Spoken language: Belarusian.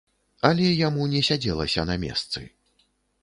Але яму не сядзелася на месцы.